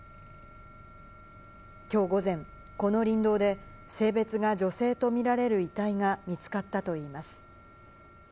きょう午前、この林道で性別が女性と見られる遺体が見つかったといいます。